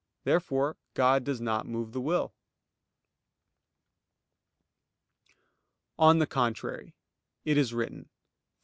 Therefore God does not move the will. On the contrary, It is written (Phil.